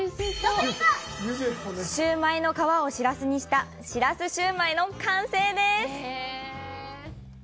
シューマイの皮をしらすにしたしらすシューマイの完成です。